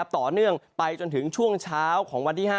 ต่อเนื่องไปจนถึงช่วงเช้าของวันที่๕